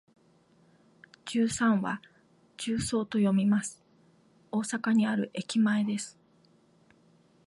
十三は「じゅうそう」と読みます。大阪にある駅前です。